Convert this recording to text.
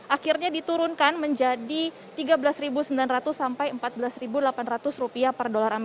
akhirnya diturunkan menjadi rp tiga belas sembilan ratus sampai rp empat belas delapan ratus per dolar